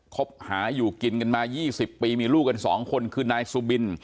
คบหาอยู่กินกันมา๒๐ปีมีลูกกัน๒คนคือนายสุบิน